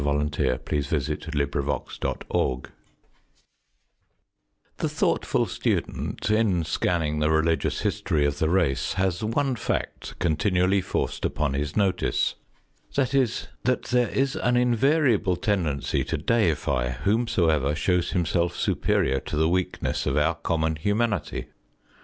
1919_ The Life of Buddha and Its Lessons The thoughtful student, in scanning the religious history of the race, has one fact continually forced upon his notice, viz., that there is an invariable tendency to deify whomsoever shows himself superior to the weakness of our common humanity.